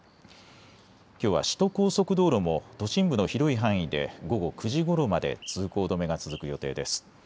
きょうは首都高速道路も都心部の広い範囲で午後９時ごろまで通行止めが続く予定です。